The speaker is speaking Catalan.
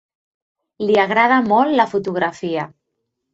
Li agrada molt la fotografia.